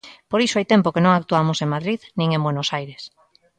Por iso hai tempo que non actuamos en Madrid, nin en Buenos Aires.